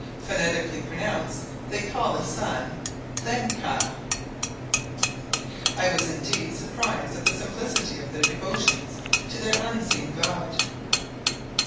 Phonetically pronounced, they call the Sun Then ka. I was indeed surprised at the simplicity of their devotions to their unseen God.